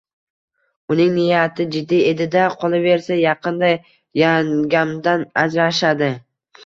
Uning niyati jiddiy edi-da, qolaversa yaqinda yangamdan ajrashadi